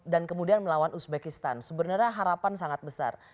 dan kemudian melawan uzbekistan sebenarnya harapan sangat besar